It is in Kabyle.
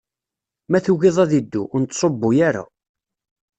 Ma tugiḍ ad iddu, ur nettṣubbu ara.